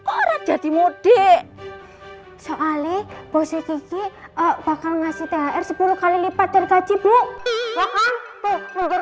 orang jadi mudik soale bose gigi bakal ngasih thr sepuluh kali lipat dari gaji bu bukan tuh luker